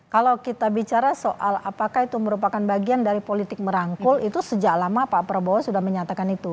kalau kita bicara soal apakah itu merupakan bagian dari politik merangkul itu sejak lama pak prabowo sudah menyatakan itu